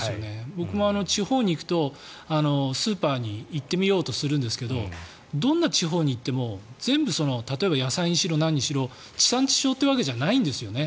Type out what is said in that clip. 僕も地方に行くと、スーパーに行ってみようとするんですけどどんな地方に行っても全部例えば野菜にしろ何にしろ地産地消というわけじゃないんですね。